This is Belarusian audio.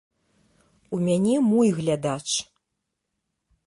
У мяне мой глядач.